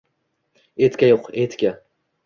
Etika yo‘q, etika!